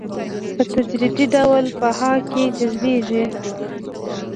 په تدريجي ډول په هغه کې جذبيږي.